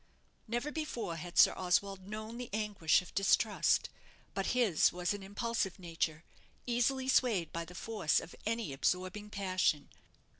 Never before had Sir Oswald known the anguish of distrust. But his was an impulsive nature, easily swayed by the force of any absorbing passion.